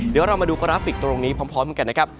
เดี๋ยวเรามาดูกราฟิกตรงนี้พร้อมกันนะครับ